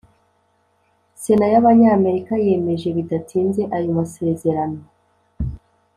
sena y'abanyamerika yemeje bidatinze ayo masezerano.